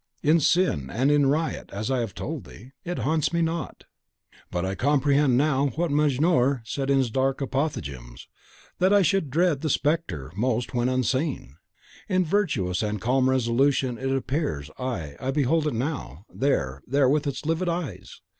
In sin and in riot, as I have told thee, it haunts me not. But I comprehend now what Mejnour said in his dark apothegms, 'that I should dread the spectre most WHEN UNSEEN.' In virtuous and calm resolution it appears, ay, I behold it now; there, there, with its livid eyes!"